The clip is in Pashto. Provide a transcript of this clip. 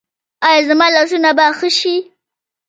ایا زما لاسونه به ښه شي؟